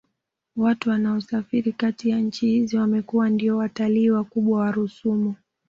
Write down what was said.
Watu wanaosafiri Kati ya nchi hizi wamekuwa ndiyo watalii wakubwa wa rusumo